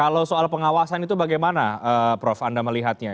kalau soal pengawasan itu bagaimana prof anda melihatnya